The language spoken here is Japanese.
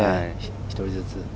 １人ずつ。